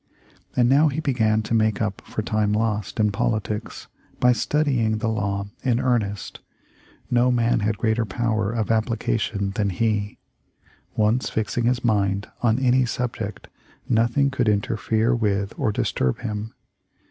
And now he began to make up for time lost in politics by studying the law in earnest. No man had greater power of application than he. Once fixing his mind on any subject, nothing could interfere with or disturb him.